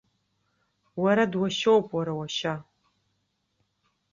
Уара дуашьоуп, уара уашьа.